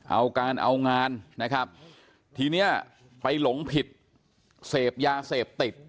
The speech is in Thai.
เอาการเอางานนะครับทีเนี้ยไปหลงผิดเสพยาเสพติด